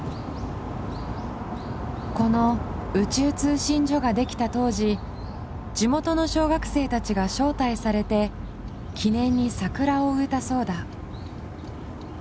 この宇宙通信所ができた当時地元の小学生たちが招待されて記念に桜を植えたそうだ。